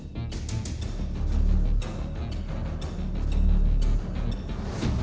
มันต้องกลับไปแล้ว